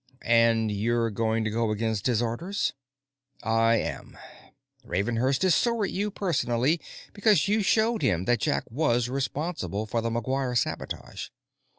"And you're going to go against his orders?" "I am. Ravenhurst is sore at you personally because you showed him that Jack was responsible for the McGuire sabotage.